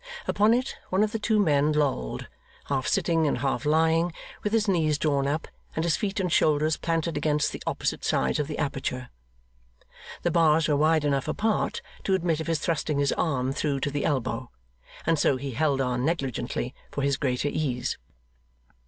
Upon it, one of the two men lolled, half sitting and half lying, with his knees drawn up, and his feet and shoulders planted against the opposite sides of the aperture. The bars were wide enough apart to admit of his thrusting his arm through to the elbow; and so he held on negligently, for his greater ease.